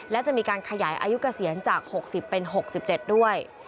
และจะมีการขยายอายุเกษียณจาก๖๐เป็น๖๗ด้วย